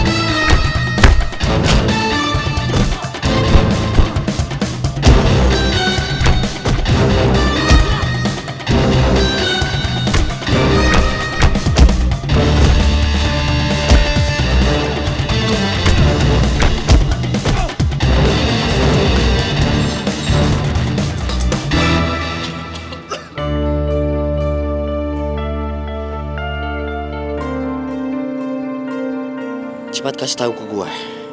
cepat kasih tau ke gue